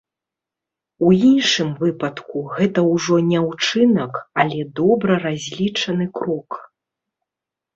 У іншым выпадку гэта ўжо не ўчынак, але добра разлічаны крок.